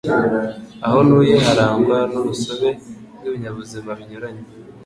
Aho ntuye harangwa n'urusobe rw'ibinyabuzima binyuranye.